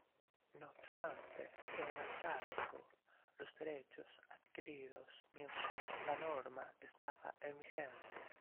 No obstante, quedan a salvo los derechos adquiridos mientras la norma estaba en vigencia.